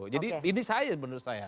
jadi ini saya menurut saya